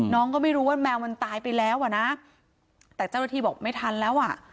น้องก็ไม่รู้ว่าแมวมันตายไปแล้วอ่ะนะแต่เจ้าหน้าที่บอกไม่ทันแล้วอ่ะ